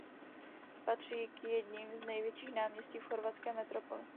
Patří k jedním z největších náměstí v chorvatské metropoli.